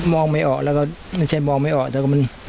ไม่ออกแล้วก็ไม่ใช่มองไม่ออกแต่ก็มัน